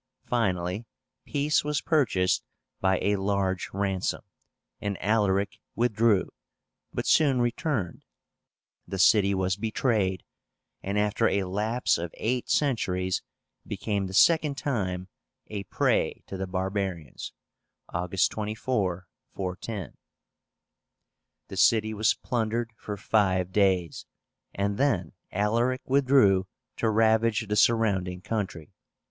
Finally peace was purchased by a large ransom, and Alaric withdrew, but soon returned. The city was betrayed, and after a lapse of eight centuries became the second time a prey to the barbarians (24 August, 410). The city was plundered for five days, and then Alaric withdrew to ravage the surrounding country.